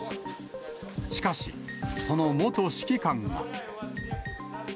しかし、その元指揮官が。